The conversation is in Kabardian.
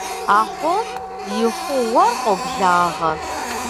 Ахъом и хъугъуэр къоблагъэ.